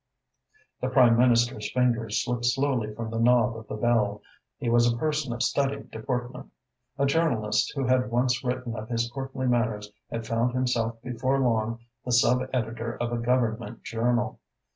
The Prime Minister's fingers slipped slowly from the knob of the bell. He was a person of studied deportment. A journalist who had once written of his courtly manners had found himself before long the sub editor of a Government journal.